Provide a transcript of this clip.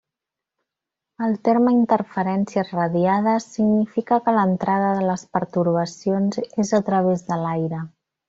El terme interferències radiades significa que l'entrada de les pertorbacions és a través de l'aire.